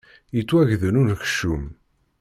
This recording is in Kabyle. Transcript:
Yettwagdel unekcum.